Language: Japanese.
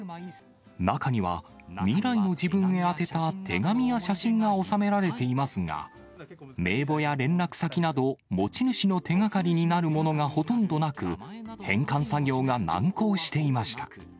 中には未来の自分に宛てた手紙や写真が納められていますが、名簿や連絡先など、持ち主の手がかりになるものがほとんどなく、返還作業が難航していました。